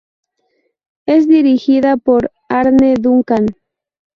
Es dirigida por Arne Duncan.